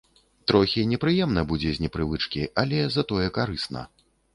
Трохі непрыемна будзе з непрывычкі, але затое карысна.